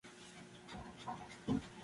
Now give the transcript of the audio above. La zona es ganadera por excelencia.